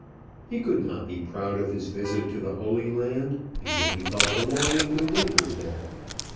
He could not be proud of his visit to the Holy Land; and yet he felt a longing to linger there.